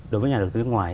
đối với nhà đầu tư ngoài